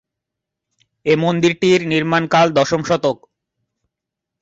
এ মন্দিরটির নির্মাণকাল দশম শতক।